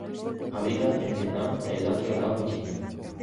Habita en Vietnam, Tailandia, Laos y China.